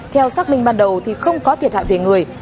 theo xác minh ban đầu thì không có thiệt hại về người